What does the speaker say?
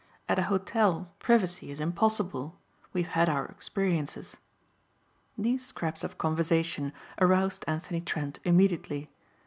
"At an hotel privacy is impossible. We have had our experiences." These scraps of conversation aroused Anthony Trent immediately.